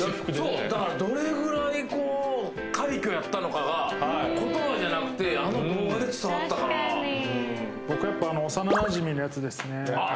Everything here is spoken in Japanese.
そうだからどれぐらいこう快挙やったのかが言葉じゃなくてうんあの動画で伝わったから確かに僕やっぱあの幼なじみのやつですね